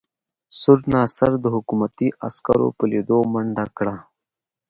سور ناصر د حکومتي عسکرو په لیدو منډه کړه.